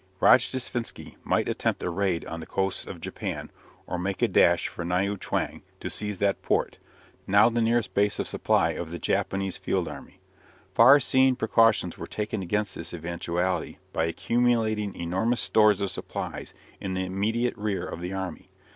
Rojdestvensky might attempt a raid on the coasts of Japan, or make a dash for Niu chwang to seize that port, now the nearest base of supply of the Japanese field army. Far seeing precautions were taken against this eventuality by accumulating enormous stores of supplies in the immediate rear of the army.